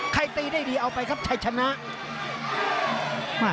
ใครตีได้ดีเอาไปครับชัยชนะ